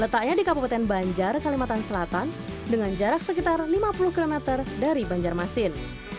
letaknya di kabupaten banjar kalimantan selatan dengan jarak sekitar lima puluh km dari banjarmasin